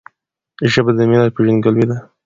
ژبه د ملت پیژندګلوي ده.